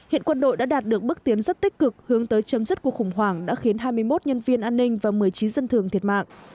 hiện quân đội đã đạt được bước tiến rất tích cực hướng tới chấm dứt cuộc khủng hoảng đã khiến hai mươi một nhân viên an ninh và một mươi chín dân thường thiệt mạng